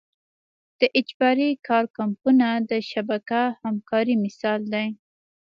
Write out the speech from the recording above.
د اجباري کار کمپونه د شبکه همکارۍ مثال دی.